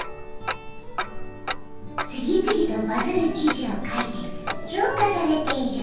次々とバズる記事を書いて評価されている。